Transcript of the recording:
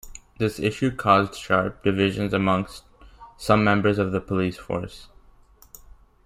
This issue caused sharp divisions amongst some members of the police force.